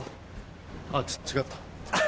あっ違った。